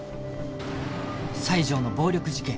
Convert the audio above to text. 西条の暴力事件